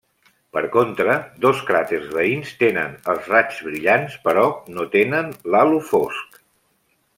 Per contra, dos cràters veïns tenen els raigs brillants però no tenen l'halo fosc.